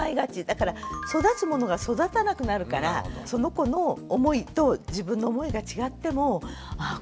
だから育つものが育たなくなるからその子の思いと自分の思いが違ってもああ